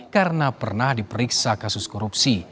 karena pernah diperiksa kasus korupsi